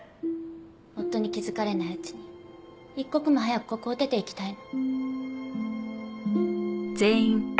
夫に気づかれないうちに一刻も早くここを出ていきたいの。